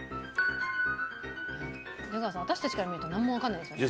出川さん私たちから見るとなんもわかんないですよね。